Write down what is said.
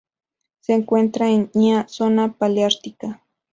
Se encuentra en ña zona paleártica.